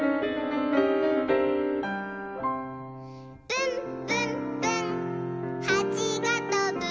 「ぶんぶんぶんはちがとぶ」